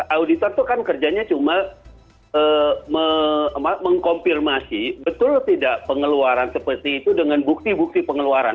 auditor itu kan kerjanya cuma mengkonfirmasi betul tidak pengeluaran seperti itu dengan bukti bukti pengeluaran